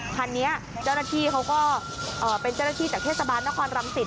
คันนี้เจ้าหน้าที่เขาก็เป็นเจ้าหน้าที่จากเทศบาลนครรังสิต